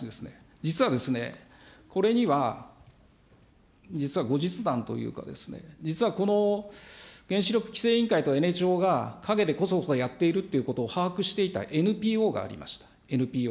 実はですね、これには実は後日談というかですね、実は、この原子力規制委員会とエネ庁が、陰でこそこそやっているということを把握していたＮＰＯがありました、ＮＰＯ。